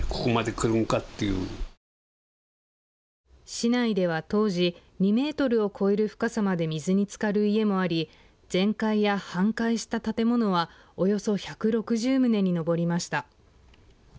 市内では当時、２メートルを超える深さまで水につかる家もあり全壊や半壊した建物はおよそ１６０棟に上りました。